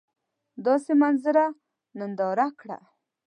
داسي منظره ننداره کړه !